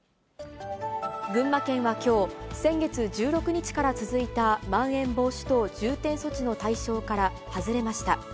群馬県はきょう、先月１６日から続いたまん延防止等重点措置の対象から外れました。